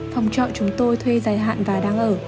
phòng trọ chúng tôi thuê dài hạn và đang ở